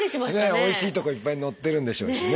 おいしいとこいっぱい載ってるんでしょうしね。